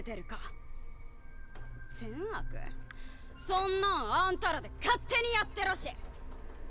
そんなんあんたらで勝手にやってろし！